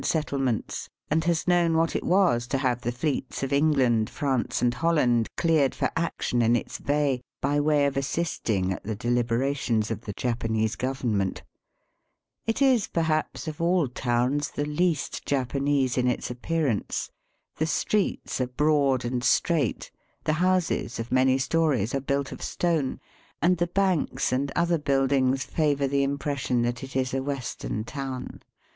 settlements, and has known what it was to have the fleets of England, France, and Holland cleared for action in its bay, by way of assisting at the deUberations of the Japanese Government. It is, perhaps, of all towns the least Japanese in its appearance. The streets are broad and straight, the houses of many stories, are built of stone, and the banks and other pubhc buildings favour the impression that it is a Western town.